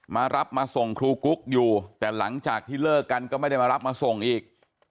มารับมาส่งครูกุ๊กอยู่แต่หลังจากที่เลิกกันก็ไม่ได้มารับมาส่งอีก